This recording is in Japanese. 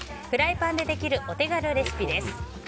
フライパンでできるお手軽レシピです。